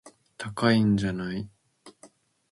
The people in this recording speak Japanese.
高いんじゃない